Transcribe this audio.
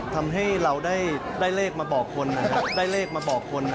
ทำให้เราได้เลขมาบอกคนนะครับ